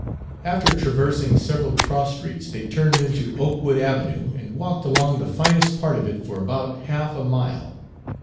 After traversing several cross streets they turned into Oakwood Avenue and walked along the finest part of it for about half a mile.